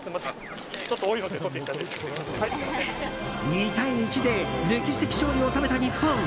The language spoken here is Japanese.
２対１で歴史的勝利を収めた日本。